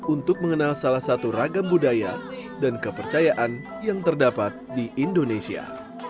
untuk mengenal salah satu ragam budaya dan kepercayaan yang terdapat di indonesia